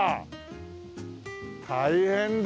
大変だ。